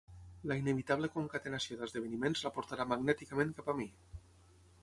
La inevitable concatenació d'esdeveniments la portarà magnèticament cap a mi.